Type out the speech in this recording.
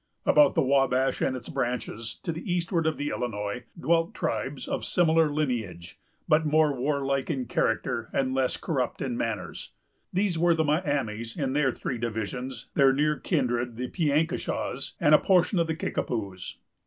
About the Wabash and its branches, to the eastward of the Illinois, dwelt tribes of similar lineage, but more warlike in character, and less corrupt in manners. These were the Miamis, in their three divisions, their near kindred, the Piankishaws, and a portion of the Kickapoos.